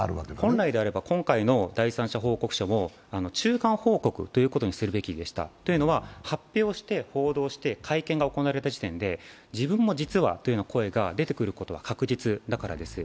本来であれば、今回の第三者報告者も中間報告ということであればよかったるというのは、発表して報道して会見が行われた時点で、「自分も実は」というような声が出てくることは確実だからです。